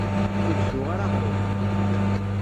Ur d-tuɣ ara aɣṛum.